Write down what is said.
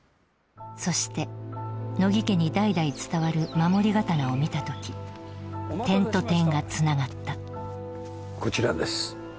そして、乃木家に代々伝わる守り刀を見た時、点と点がつながったこちらです